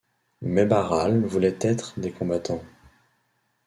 Mais Barral voulait être des combattants.